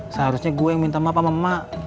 seharusnya gue yang minta maaf sama mama